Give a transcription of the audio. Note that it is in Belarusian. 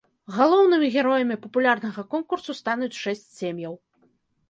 Галоўнымі героямі папулярнага конкурсу стануць шэсць сем'яў.